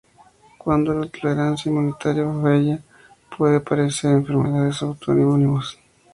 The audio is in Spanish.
Cuando la tolerancia inmunitaria falla pueden aparecer enfermedades autoinmunes.